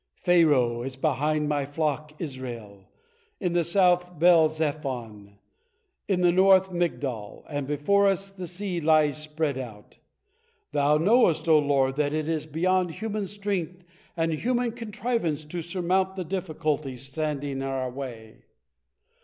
Pharaoh is behind my flock Israel, in the south is Baal zephon, in the north Midgol, and before us the sea lies spread out. Thou knowest, O Lord, that it is beyond human strength and human contrivance to surmount the difficulties standing in our way.